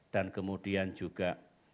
dan kemudian juga